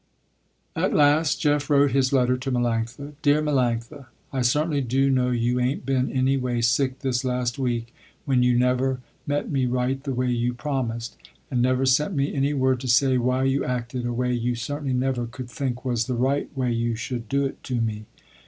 At last Jeff wrote his letter to Melanctha. "Dear Melanctha, I certainly do know you ain't been any way sick this last week when you never met me right the way you promised, and never sent me any word to say why you acted a way you certainly never could think was the right way you should do it to me.